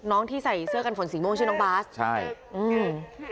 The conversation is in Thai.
ที่ใส่เสื้อกันฝนสีม่วงชื่อน้องบาสใช่อืม